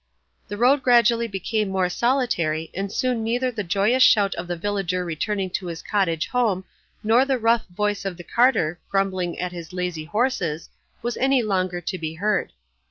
The road gradually became more solitary, and soon neither the joyous shout of the villager returning to his cottage home, nor the rough voice of the carter grumbling at his lazy horses, was any longer to be heard.